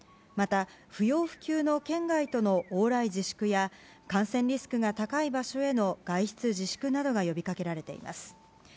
また、不要不急の県外との往来自粛や感染リスクが高い場所への外出自粛などが呼びかけられています。